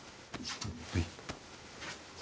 はい。